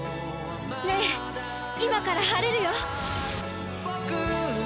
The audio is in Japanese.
ねぇ、今から晴れるよ！